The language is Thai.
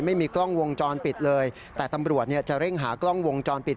ไม่มีกล้องวงจรปิดเลยแต่ตำรวจเนี่ยจะเร่งหากล้องวงจรปิด